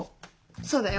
そうだよ。